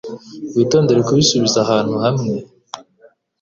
Witondere kubisubiza ahantu hamwe.